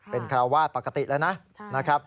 เป็นคราววาสปกติแล้วนะ